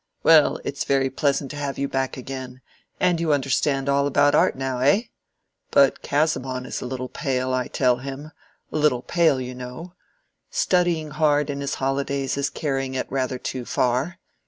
Well, it's very pleasant to have you back again, and you understand all about art now, eh? But Casaubon is a little pale, I tell him—a little pale, you know. Studying hard in his holidays is carrying it rather too far.